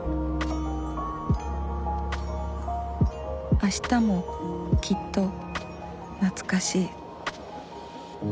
あしたもきっと懐かしい。